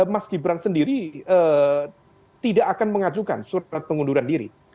mas gibran sendiri tidak akan mengajukan surat pengunduran diri